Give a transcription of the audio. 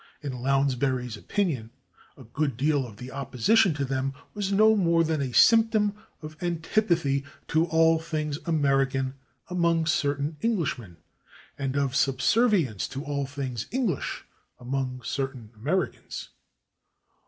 In Lounsbury's opinion, a good deal of the opposition to them was no more than a symptom of antipathy to all things American among certain Englishmen and of subservience to all things English among certain Americans.